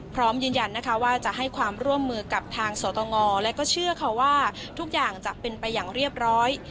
พร้อมยืนยันนะคะว่าจะให้ความร่วมมือกับทางสตงและก็เชื่อค่ะว่าทุกอย่างจะเป็นไปอย่างเรียบร้อย